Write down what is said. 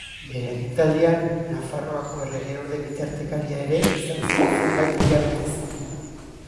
Bere agintaldian, Nafarroako erregeorde bitartekaria ere izan zen zenbait hilabetez.